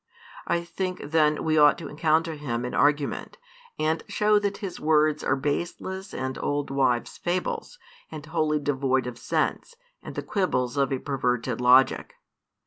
I think then we ought to encounter him in argument, and show that his words are baseless and old wives' fables, and wholly devoid of sense, and the quibbles of a perverted logic.